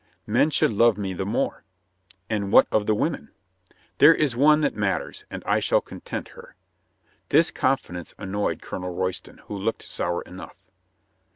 "Men should love me the more." "And what of the women?" "There is one that matters, and I shall content her." This confidence annoyed Colonel Royston, who looked sour enough.